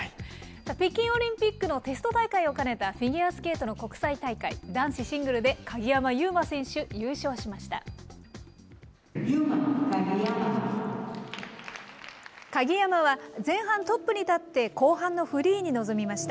北京オリンピックのテスト大会を兼ねたフィギュアスケートの国際大会、男子シングルで鍵山優真選手、優勝しました。